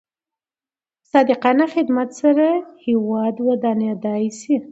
په صادقانه خدمت سره هیواد ودانېدای شي.